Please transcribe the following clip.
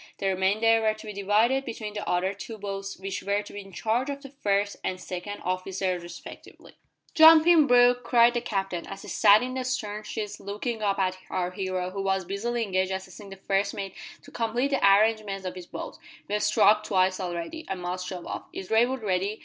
The remainder were to be divided between the other two boats which were to be in charge of the first and second officers respectively. "Jump in, Brooke," cried the Captain, as he sat in the stern sheets looking up at our hero, who was busily engaged assisting the first mate to complete the arrangements of his boat, "we've struck twice already. I must shove off. Is Raywood ready?"